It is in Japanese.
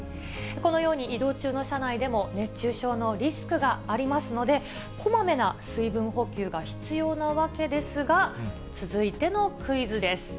このように、移動中の車内でも、熱中症のリスクがありますので、こまめな水分補給が必要なわけですが、続いてのクイズです。